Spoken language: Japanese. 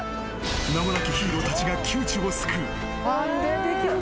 名もなきヒーローたちが窮地を救う。